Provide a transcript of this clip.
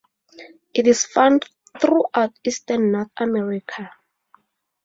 It is found throughout eastern North America.